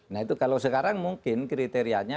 nah itu kalau sekarang mungkin kriterianya